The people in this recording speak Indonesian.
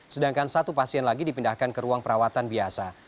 sedangkan satu pasien lagi dipindahkan ke ruang perawatan biasa